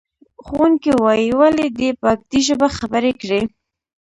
ښوونکی وایي، ولې دې په اکدي ژبه خبرې کړې؟